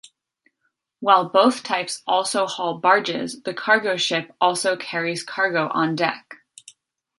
While both types also haul barges, the cargo ship also carries cargo on deck.